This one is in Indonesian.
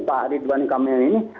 pak ridwan kamil ini